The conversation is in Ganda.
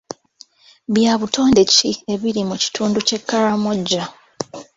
Bya butonde ki ebiri mu kitundu ky'e Karamoja?